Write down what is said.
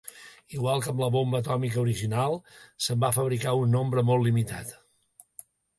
Igual que amb la bomba atòmica original, se"n va fabricar un nombre molt limitat.